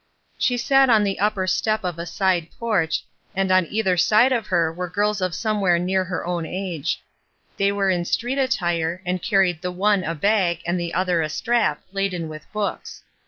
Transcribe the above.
She sat on the upper step of a side porch, and on either side of her 1 2 ESTER RIED'S NAMESAKE were girls of somewhere near her own age. They were in street attire and carried the one a bag and the other a strap^ laden with books.